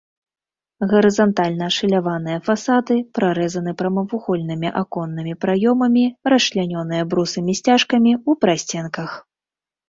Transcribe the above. Гарызантальна ашаляваныя фасады прарэзаны прамавугольнымі аконнымі праёмамі, расчлянёныя брусамі-сцяжкамі ў прасценках.